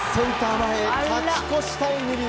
前、勝ち越しタイムリー。